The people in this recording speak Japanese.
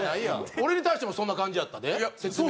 俺に対してもそんな感じやったで説明。